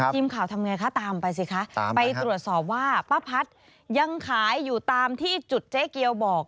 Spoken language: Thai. ทำไงคะตามไปสิคะไปตรวจสอบว่าป้าพัดยังขายอยู่ตามที่จุดเจ๊เกียวบอก